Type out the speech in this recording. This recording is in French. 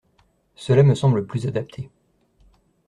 Cela me semble plus adapté.